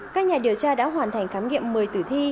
các nhà điều tra đã hoàn thành khám nghiệm một mươi tử thi